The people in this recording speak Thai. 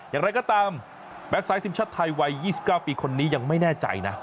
อย่างไรก็ตามแบ็คซ้ายทีมชาติไทยวัย๒๙ปีคนนี้ยังไม่แน่ใจนะ